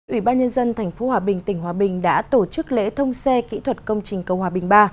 ủy ban nhân dân tp hòa bình tỉnh hòa bình đã tổ chức lễ thông xe kỹ thuật công trình cầu hòa bình ba